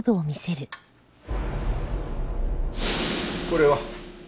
これは？